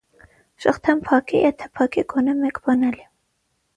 Շղթան փակ է, եթե փակ է գոնե մեկ բանալի։